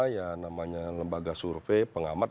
yang namanya lembaga survei pengamat